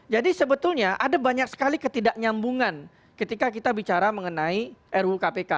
jadi sebetulnya ada banyak sekali ketidaknyambungan ketika kita bicara mengenai ru kpk